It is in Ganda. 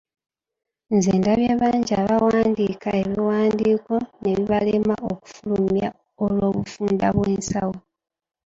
Nze ndabye bangi abawandiika, ebiwandiiko ne bibalema okufulumya olw'obufunda bw'ensawo!